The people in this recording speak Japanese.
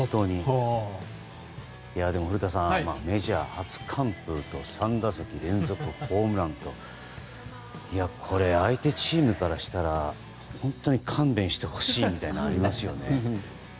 古田さん、メジャー初完封と３打席連続ホームランとこれ、相手チームからしたら本当に勘弁してほしいですよね。